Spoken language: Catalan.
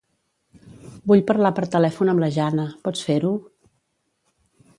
Vull parlar per telèfon amb la Jana, pots fer-ho?